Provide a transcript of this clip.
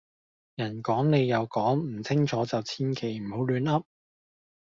人講你又講唔清楚就千祈唔好亂噏